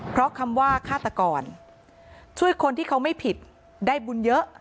เพราะคำว่าฆาตกรช่วยคนที่เขาไม่ผิดได้บุญเยอะ